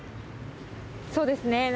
そうですね。